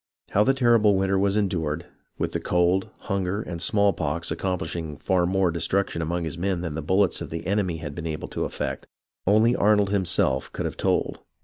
82 HISTORY OF THE AMERICAN REVOLUTION How the terrible winter was endured, with the cold, hunger, and smallpox accomplishing far more destruction among his men than the bullets of the enemy had been able to effect, only Arnold himself could have told.